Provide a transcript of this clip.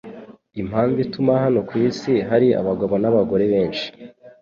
Impamvu ituma hano ku isi hari abagabo n'abagore benshi